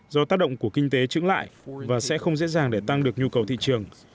do tác động của kinh tế trứng lại và sẽ không dễ dàng để tăng được nhu cầu thị trường